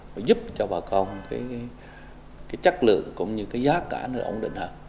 nó giúp cho bà con cái chất lượng cũng như cái giá cả nó ổn định hơn